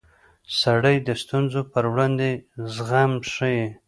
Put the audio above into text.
سړی د ستونزو پر وړاندې زغم ښيي